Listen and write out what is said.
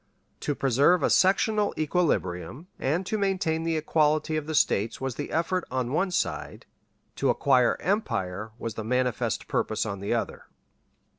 To preserve a sectional equilibrium and to maintain the equality of the States was the effort on one side, to acquire empire was the manifest purpose on the other.